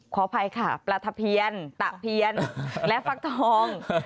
ขออภัยค่ะปลาทะเพียนตะเพียนและฟักทอง